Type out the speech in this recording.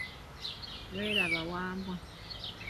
Weeraba Wambwa.